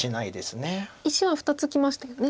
石は２つきましたよね。